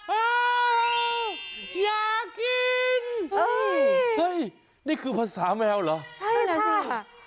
เอ้าอยากกินนี่คือภาษาแมวหรอใช่นะครับ